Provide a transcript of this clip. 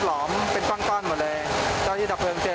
หลอมเป็นก้อนก้อนหมดเลยเจ้าที่ดับเพลิงเจอ